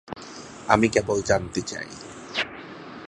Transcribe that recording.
আমি কেবল জানতে চাই।